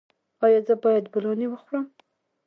ایا زه باید بولاني وخورم؟